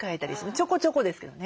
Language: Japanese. ちょこちょこですけどね。